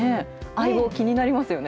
アイゴ、気になりますよね。